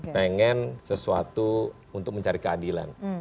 pengen sesuatu untuk mencari keadilan